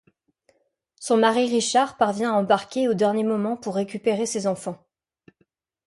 Son mari Richard parvient à embarquer au dernier moment pour récupérer ses enfants.